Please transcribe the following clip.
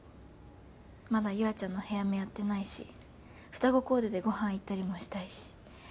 まだ優愛ちゃんのヘアメやってないし双子コーデでご飯行ったりもしたいし。